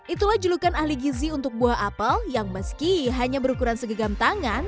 itulah julukan ahli gizi untuk buah apel yang meski hanya berukuran segegam tangan